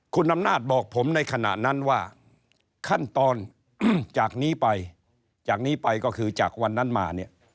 คุณอำนาจบอกผมในขณะนั้นว่าขั้นตอนจากนี้ไปจากนี้ไปก็คือจากวันนั้นมาเนี่ย